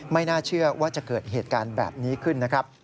ไม่น่าเชื่อว่าจะเกิดเหตุการณ์แบบนี้ขึ้นนะครับ